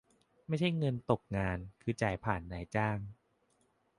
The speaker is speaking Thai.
ไม่ใช่เงินตกงาน คือจ่ายผ่านนายจ้าง